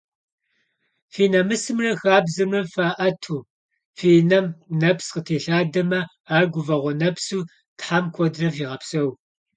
Фи намысымрэ хабзэмрэ фаӏэту, фи нэм нэпс къытелъэдамэ ар гуфӏэгъуэ нэпсу Тхьэм куэдрэ фигъэпсэу!